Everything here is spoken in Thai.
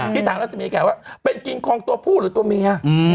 ที่ถามรัฐสมิงแขกเขาเป็นกินของตัวผู้หรือตัวเมีย